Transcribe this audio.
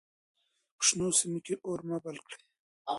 په شنو سیمو کې اور مه بل کړئ.